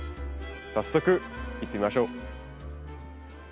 早速行ってみましょう。